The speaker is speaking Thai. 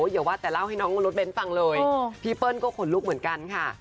อย่าว่าแต่เล่าให้น้องรถเบ้นฟังเลยพี่เปิ้ลก็ขนลุกเหมือนกันค่ะ